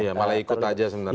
ya malah ikut aja sebenarnya